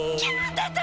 出た！